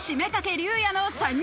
龍也の３人。